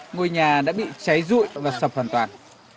ngôi nhà đã bị cháy rụi và sập hoàn toàn